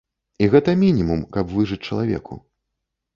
І гэта мінімум, каб выжыць чалавеку.